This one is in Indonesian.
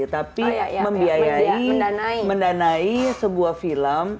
tapi mendanai sebuah film